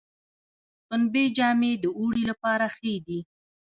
پنبې جامې د اوړي لپاره ښې دي